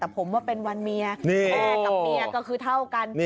แต่ผมว่าเป็นวันเมียแม่กับเมียก็คือเท่ากัน